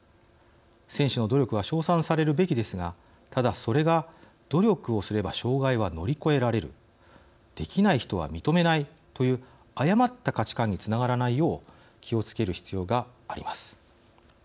選手の努力は称賛されるべきですがただ、それが努力をすれば障害は乗り越えられるできない人は認めないという誤った価値観につながらないよう気をつける必要があります。